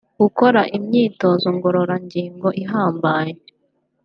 gukora imyitozo ngororangingo ihambaye